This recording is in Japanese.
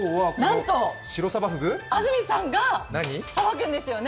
なんと安住さんがさばくんですよね？